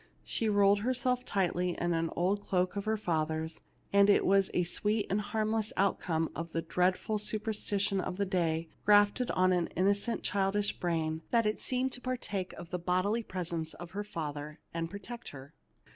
She rolled herself tightly in an old cloak of her father's, and it was a sweet and harmless outcome of the dreadful supersti tion of the day, grafted on an innocent childish brain, that it seemed to partake of the bodily presence of her father, and protect her.